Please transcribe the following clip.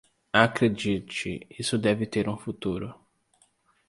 Acredite, isso deve ter um futuro